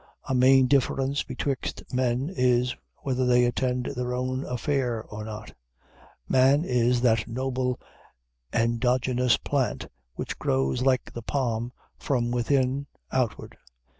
A main difference betwixt men is, whether they attend their own affair or not. Man is that noble endogenous plant which grows, like the palm, from within outward.